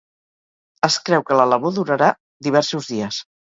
Es creu que la labor durarà diversos dies.